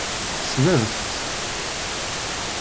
Ssnent-tt?